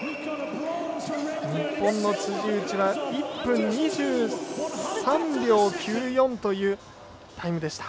日本の辻内は１分２３秒９４というタイム。